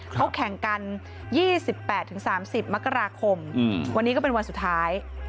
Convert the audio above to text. เขาแข่งกัน๒๘๓๐มกราคมวันนี้ก็เป็นวันสุดท้าย